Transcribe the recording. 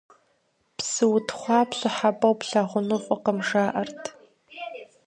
Псы утхъуа пщӀыхьэпӀэу плъагъуну фӀыкъым, жаӀэрт.